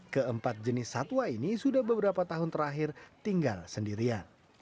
keempat jenis satwa ini sudah beberapa tahun terakhir tinggal sendirian